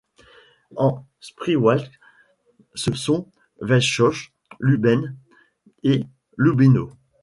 En Spreewald ce sont Vetschau, Lübben et Lübbenau.